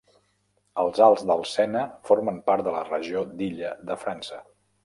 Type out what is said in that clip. Els Alts del Sena forma part de la regió d'Illa de França.